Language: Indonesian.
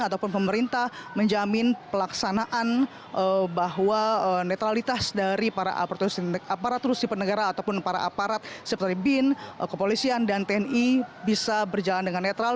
ataupun pemerintah menjamin pelaksanaan bahwa netralitas dari para aparatur sipil negara ataupun para aparat seperti bin kepolisian dan tni bisa berjalan dengan netral